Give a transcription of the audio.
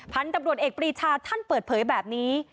พันธุ์ตำรวจเอกปรีชาท่านเปิดเผยแบบนี้